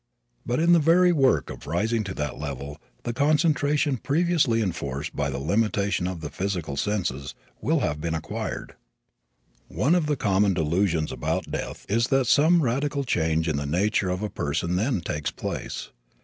But in the very work of rising to that level, the concentration previously enforced by the limitation of the physical senses will have been acquired. One of the common delusions about death is that some radical change in the nature of a person then takes place.